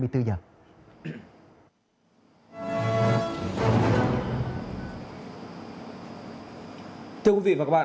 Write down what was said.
thưa quý vị và các bạn